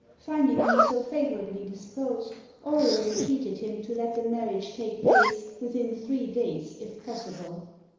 Finding him so favourably disposed, Auriol entreated him to let the marriage take place within three days, if possible.